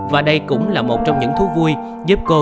và đây cũng là một trong những thú vui giúp phi nhung trải qua cuộc sống